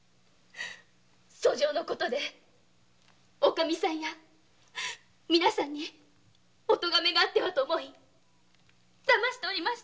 訴状の事でおかみさんやみなさんに「おとがめ」があってはと思いだましておりました。